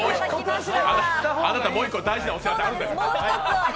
あなた、もう１個、大事なお知らせがあるでしょ。